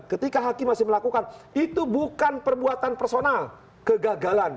ketika hakim masih melakukan itu bukan perbuatan personal kegagalan